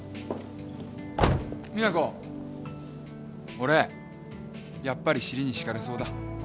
俺やっぱり尻に敷かれそうだ。